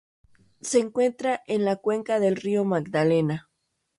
Se encuentra en la cuenca del río Magdalena.